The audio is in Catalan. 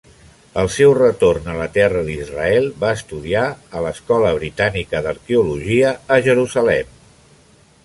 Al seu retorn a la Terra d'Israel, va estudiar en l'Escola Britànica d'Arqueologia a Jerusalem.